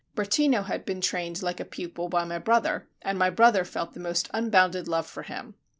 Bertino had been trained like a pupil by my brother, and my brother felt the most unbounded love for him.